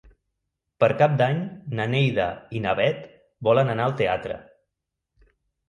Per Cap d'Any na Neida i na Bet volen anar al teatre.